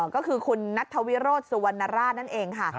ก็คือคุณนัทธวิโรธสุวรรณราชนั่นเองค่ะ